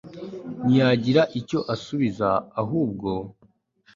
ntiyagira icyo asubiza ahubwo